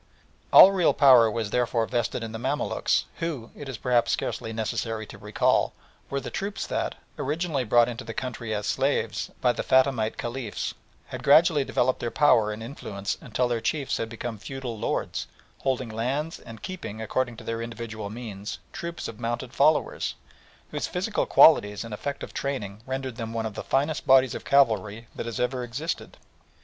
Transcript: All real power was therefore vested in the Mamaluks, who, it is perhaps scarcely necessary to recall, were the troops that, originally brought into the country as slaves by the Fatimite Caliphs, had gradually developed their power and influence until their chiefs had become feudal lords, holding lands and keeping, according to their individual means, troops of mounted followers, whose physical qualities and effective training rendered them one of the finest bodies of cavalry that has ever existed.